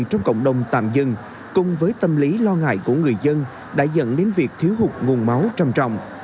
trong cộng đồng tạm dừng cùng với tâm lý lo ngại của người dân đã dẫn đến việc thiếu hụt nguồn máu trầm trọng